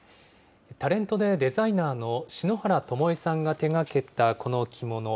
タレントでデザイナーの篠原ともえさんが手がけたこの着物。